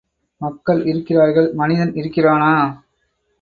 மக்கள் இருக்கிறார்கள் மனிதன் இருக்கிறானா?